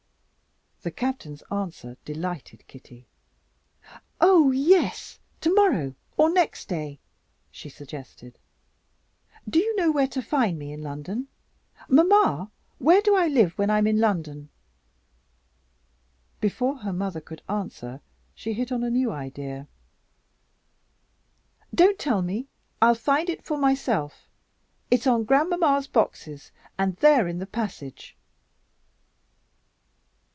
The Captain's answer delighted Kitty. "Oh, yes, tomorrow or next day!" she suggested. "Do you know where to find me in London? Mamma, where do I live, when I am in London?" Before her mother could answer, she hit on a new idea. "Don't tell me; I'll find it for myself. It's on grandmamma's boxes, and they're in the passage."